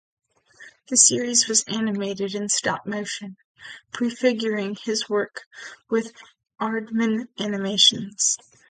The series was animated in stop motion, prefiguring his work with Aardman Animations.